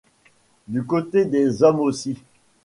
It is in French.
Du côté des hommes aussi.